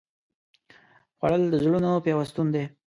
خوړل د زړونو پیوستون دی